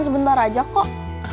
sebentar aja kok